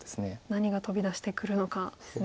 何が飛び出してくるのかですね。